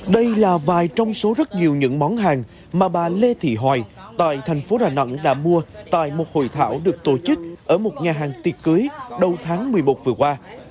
đây là vài trong số rất nhiều những món hàng mà bà lê thị hoài tại thành phố đà nẵng đã mua tại một hội thảo được tổ chức ở một nhà hàng tiệc cưới đầu tháng một mươi một vừa qua